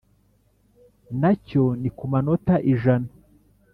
nacyo ni ku manota ijana